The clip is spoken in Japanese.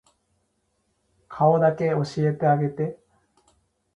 顔だけ教えてあげて